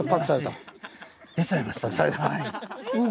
出ちゃいましたね。